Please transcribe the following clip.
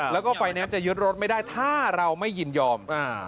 แล้วก็ไฟแนนซ์จะยึดรถไม่ได้ถ้าเราไม่ยินยอม